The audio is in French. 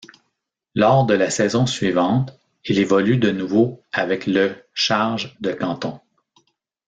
Lors de la saison suivante, il évolue de nouveau avec le Charge de Canton.